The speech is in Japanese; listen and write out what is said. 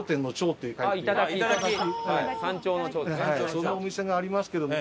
そのお店がありますけどね